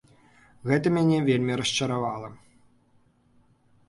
Гэта мяне вельмі расчаравала.